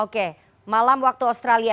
oke malam waktu australia